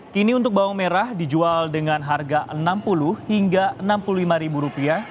kini untuk bawang merah dijual dengan harga rp enam puluh hingga rp enam puluh lima